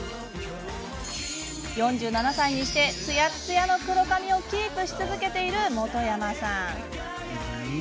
４７歳にして、つやつやの黒髪をキープし続けている本山さん。